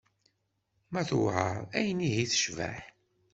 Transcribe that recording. Ma tuɛer ayen ihi i tecbeḥ?